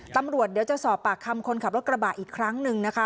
ตำรวจเดี๋ยวจะสอบปากคำคนขับรถกระบะอีกครั้งหนึ่งนะคะ